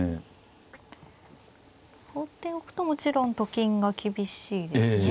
放っておくともちろんと金が厳しいですね。